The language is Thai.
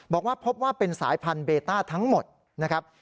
บอกว่าพบว่าเป็นสายพันธุเบต้าทั้งหมดนะครับ